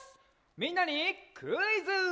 みんなにクイズ！